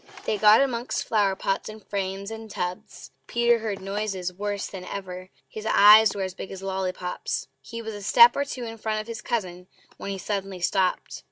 They got amongst flower pots, and frames, and tubs. Peter heard noises worse than ever; his eyes were as big as lolly pops! He was a step or two in front of his cousin when he suddenly stopped.